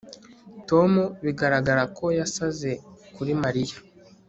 Tom biragaragara ko yasaze kuri Mariya